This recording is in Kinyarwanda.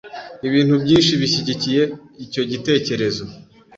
Ibintu byinshi bishyigikiye icyo gitekerezo: